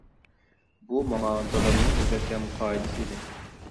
بۇ ماڭا دادامنىڭ ئۆگەتكەن قائىدىسى ئىدى.